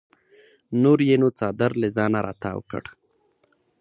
نور یې نو څادر له ځانه راتاو کړ.